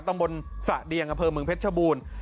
ต้องบนสระเดียงอเภอเมืองเพชรชบูรณ์